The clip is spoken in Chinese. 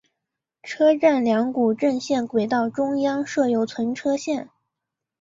车站两股正线轨道中央设有存车线。